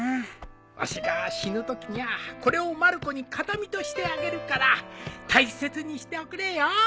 わしが死ぬときにゃこれをまる子に形見としてあげるから大切にしておくれよ。